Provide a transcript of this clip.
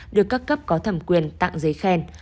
được các cấp có thẩm quyền tặng giấy khen